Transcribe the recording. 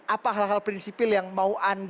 apa hal hal prinsipil yang mau anda